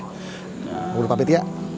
bang bedu pamit ya